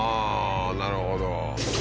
なるほど。